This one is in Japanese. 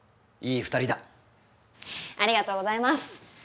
ありがとうございます。